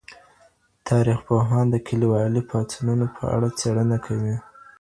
تاريخ پوهان د کليوالي پاڅونونو په اړه څېړنه کوي.